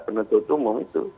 pendutuk umum itu